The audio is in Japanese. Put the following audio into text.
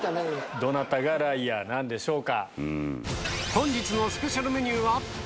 どなたがライアーなんでしょうか。